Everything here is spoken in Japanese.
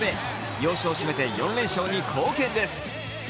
要所を締めて４連勝に貢献です。